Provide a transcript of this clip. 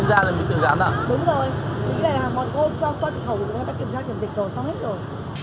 nghĩa là một hộp trong khoa trực thẩu của chúng ta đã kiểm tra kiểm dịch rồi xong hết rồi